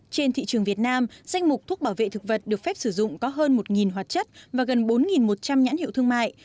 trên thị trường việt nam danh mục thuốc bảo vệ thực vật được phép sử dụng có hơn một hoạt chất và gần bốn một trăm linh nhãn hiệu thương mại